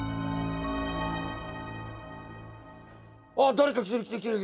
誰か来てる来てる！